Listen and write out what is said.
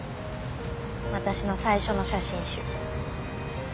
私の最初の写真集。